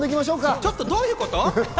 ちょっとどういうこと？